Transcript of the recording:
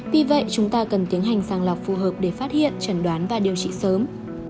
vì vậy chúng ta cần tiến hành sang lọc phù hợp để phát hiện trần đoán và điều trị sớm